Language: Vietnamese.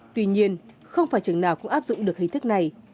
tuy nhiên không phải trường nào cũng áp dụng được hình thức này